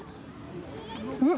うん！